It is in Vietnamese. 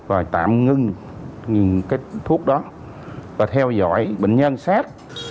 rồi tạm ngưng cái thuốc đó và theo dõi bệnh nhân sát